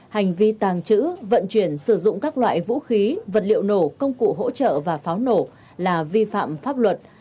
hành vi tàng trữ vận chuyển sử dụng các loại vũ khí vật liệu nổ công cụ hỗ trợ và pháo nổ là vi phạm pháp luật